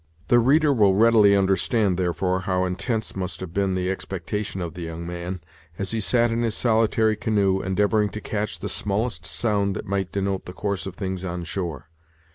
The reader will readily understand, therefore, how intense must have been the expectation of the young man, as he sat in his solitary canoe, endeavoring to catch the smallest sound that might denote the course of things on shore.